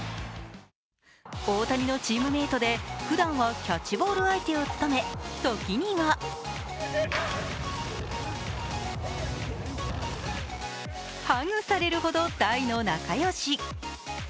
大谷のチームメートでふだんはキャッチボール相手を務め時にはハグされるほど大の仲良し。